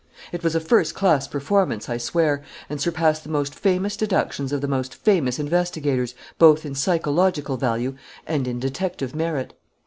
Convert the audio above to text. It was a first class performance, I swear, and surpassed the most famous deductions of the most famous investigators both in psychological value and in detective merit.